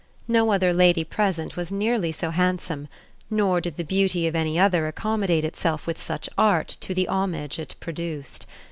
No other lady present was nearly so handsome, nor did the beauty of any other accommodate itself with such art to the homage it produced.